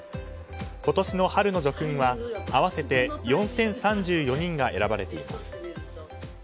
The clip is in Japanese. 今年の春の叙勲は合わせて４０３４人が選ばれています。